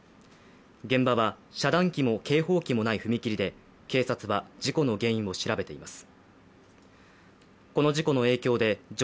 現場は遮断機も警報機もない踏切で警察は事故の原因を調べています。